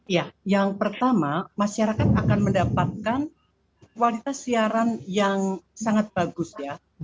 ya yang pertama masyarakat akan mendapatkan kualitas siaran yang sangat bagus ya